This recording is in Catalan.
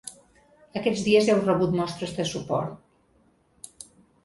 Aquests dies heu rebut mostres de suport.